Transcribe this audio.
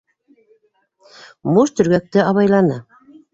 Буш төргәкте абайланы.